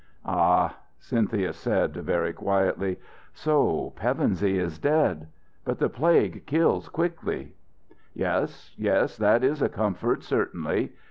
"Ah," Cynthia said, very quiet, "so Pevensey is dead. But the Plague kills quickly!" "Yes, yes, that is a comfort, certainly.